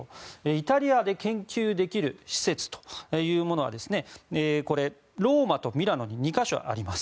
イタリアで研究できる施設がローマとミラノの２か所にあります。